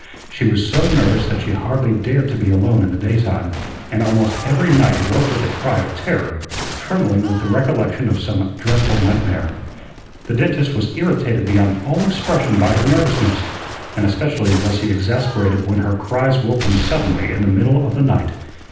She was so nervous that she hardly dared to be alone in the daytime, and almost every night woke with a cry of terror, trembling with the recollection of some dreadful nightmare. The dentist was irritated beyond all expression by her nervousness, and especially was he exasperated when her cries woke him suddenly in the middle of the night.